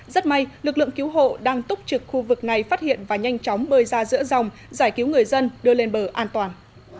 rất may lực lượng cứu hộ đang túc trực khu vực này phát hiện và nhanh chóng bơi ra giữa dòng giải cứu người dân đưa lên bờ an toàn